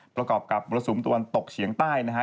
ประกอบกับมรสุมตะวันตกเฉียงใต้นะฮะ